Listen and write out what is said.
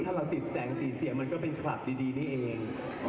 ถ้าเราติดแสงสีเสียงมันก็เป็นคลับดีนี่เอง